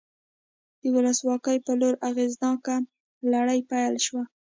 د ولسواکۍ په لور اغېزناکه لړۍ پیل شوه.